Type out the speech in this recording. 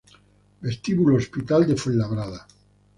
Vestíbulo Hospital de Fuenlabrada